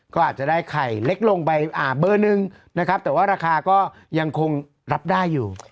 ก็อาจจะได้ไข่เล็กลงไปเบอร์หนึ่งนะครับแต่ว่าราคาก็ยังคงรับได้อยู่